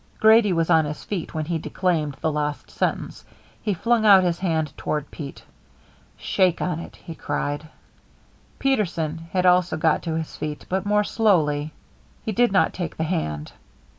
Grady was on his feet when he declaimed the last sentence. He flung out his hand toward Pete. "Shake on it!" he cried. Peterson had also got to his feet, but more slowly. He did not take the hand.